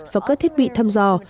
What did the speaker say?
và các thiết bị thăm dò